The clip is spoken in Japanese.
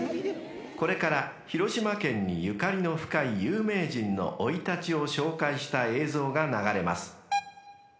［これから広島県にゆかりの深い有名人の生い立ちを紹介した映像が流れます］